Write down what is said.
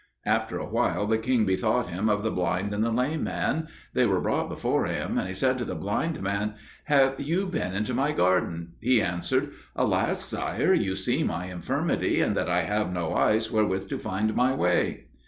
After a while the king bethought him of the blind and the lame man; they were brought before him, and he said to the blind man, "Have you been into my garden?" He answered, "Alas, sire! you see my infirmity, and that I have no eyes wherewith to find my way!"